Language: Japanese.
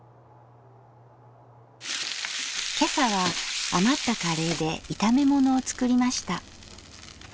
今朝は余ったカレーで炒め物を作りました。